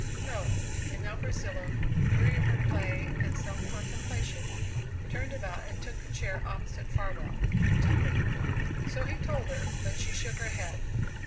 "No." And now Priscilla, weary of her play and self contemplation, turned about and took a chair opposite Farwell. "Tell me." So he told her, but she shook her head.